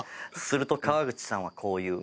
すると川口さんはこう言う。